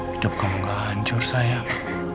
hidup kamu gak hancur sayang